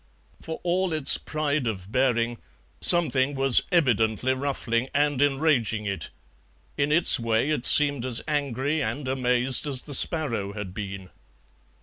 For all its pride of bearing, something was evidently ruffling and enraging it; in its way it seemed as angry and amazed as the sparrow had been.